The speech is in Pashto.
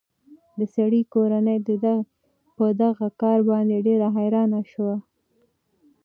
د سړي کورنۍ د ده په دغه کار باندې ډېره حیرانه شوه.